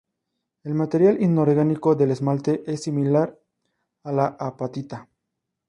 El material inorgánico del esmalte es similar a la apatita.